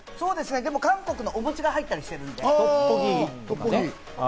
韓国のお餅が入ったりしてるんで。